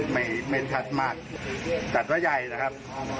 ไม่ทัดมากแต่ว่าใหญ่นะครับ